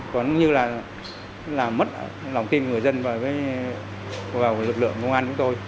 cũng như là mất lòng tin người dân vào lực lượng ngôn an của tôi